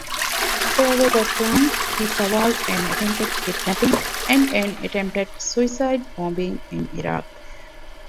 Fairweather claims he survived an attempted kidnapping and an attempted suicide bombing in Iraq.